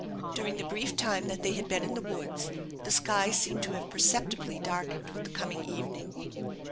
During the brief time that they had been in the woods, the sky seemed to have perceptibly dark ened with the coming evening.